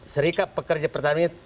serikat pekerja pertamina